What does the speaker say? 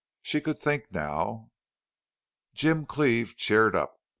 She could think now. Jim Cleve cheered up.